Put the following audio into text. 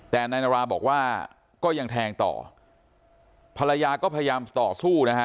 แต่นายนาราบอกว่าก็ยังแทงต่อภรรยาก็พยายามต่อสู้นะฮะ